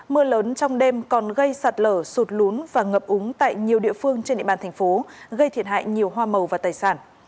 mưa lớn trong đêm còn gây sạt lở sụt lún và ngập úng tại nhiều địa phương trên địa bàn thành phố gây thiệt hại nhiều hoa màu và tài sản